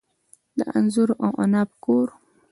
د انځر او عناب کور.